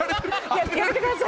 やめてください